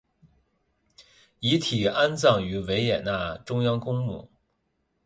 遗体安葬于维也纳中央公墓。